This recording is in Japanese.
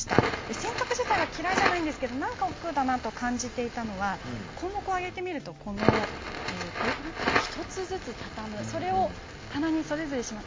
洗濯自体は嫌いではないんですけれどおっくうだと感じていたのは項目を挙げてみると１つずつ畳むそれを棚にしまう。